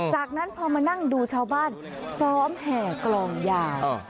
จากนั้นพอมานั่งดูชาวบ้านซ้อมแห่กลองยา